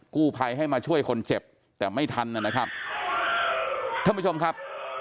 กู้ภัยให้มาช่วยคนเจ็บแต่ไม่ทันนะครับท่านผู้ชมครับ